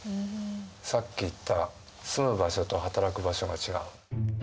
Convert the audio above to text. さっき言った住む場所と働く場所が違う。